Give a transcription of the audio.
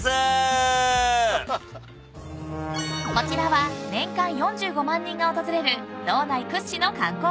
［こちらは年間４５万人が訪れる道内屈指の観光名所］